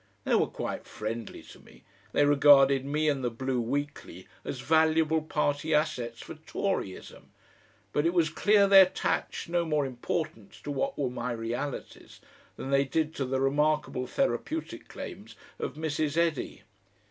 They were quite friendly to me, they regarded me and the BLUE WEEKLY as valuable party assets for Toryism, but it was clear they attached no more importance to what were my realities than they did to the remarkable therapeutic claims of Mrs. Eddy.